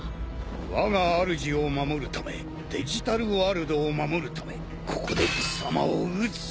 わがあるじを守るためデジタルワールドを守るためここで貴様を討つ！